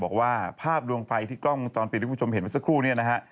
บอกว่าภาพดวงไฟที่กล้องวงจรปิดที่คุณผู้ชมเห็นเมื่อสักครู่เนี่ยนะฮะ